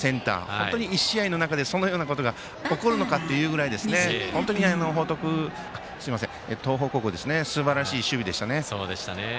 本当に１試合の中でそんなことが起こるのかっていうような本当に東邦高校すばらしい守備でしたね。